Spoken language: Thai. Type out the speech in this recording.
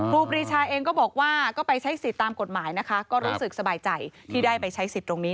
รูปรีชาเองก็บอกว่าก็ไปใช้สิทธิ์ตามกฎหมายนะคะก็รู้สึกสบายใจที่ได้ไปใช้สิทธิ์ตรงนี้